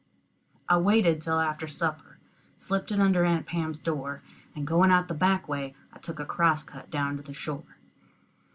I waited till after supper, slipped it under Aunt Pam's door, and going out the back way I took a cross cut down to the shore.